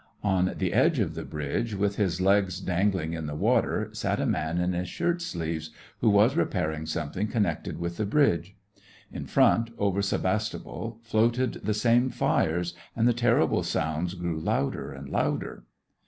On the edge of the bridge, with his legs dangling m.t SEVASTOPOL IN AUGUST. 169 in the water, sat a man in his shirt sleeves, who was repairing something connected with the bridge. In front, over Sevastopol, floated the same fires, and the terrible sounds grew louder and louder.